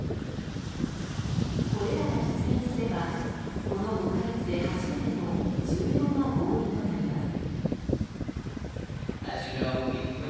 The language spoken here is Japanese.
これらが実現すればこの５か月で初めての重要な合意となります。